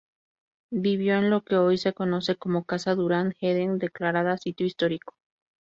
Vivió en lo que hoy se conoce como Casa Durand-Hedden, declarada sitio histórico.